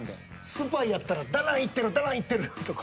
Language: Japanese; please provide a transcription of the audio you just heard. スパイやったら「ダナン行ってるダナン行ってる」とか。